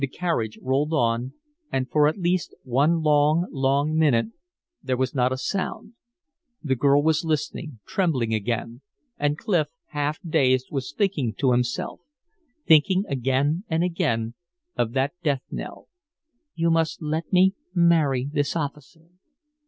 The carriage rolled on, and for at least one long, long minute there was not a sound. The girl was listening, trembling again; and Clif, half dazed was thinking to himself, thinking again and again of that death knell, "You must let me marry this officer."